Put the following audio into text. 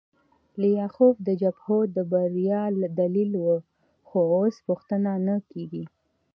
لیاخوف د جبهو د بریا دلیل و خو اوس پوښتنه نه کیږي